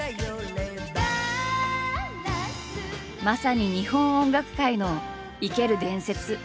まさに日本音楽界の生ける伝説。